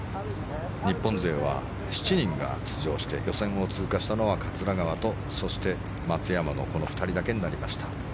日本勢は７人が出場して予選を通過したのは桂川と松山の２人だけになりました。